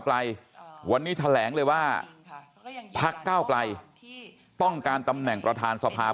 ไกลวันนี้แถลงเลยว่าพักเก้าไกลต้องการตำแหน่งประธานสภา